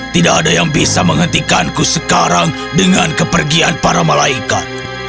tidak ada yang bisa menghentikanku sekarang dengan kepergian para malaikat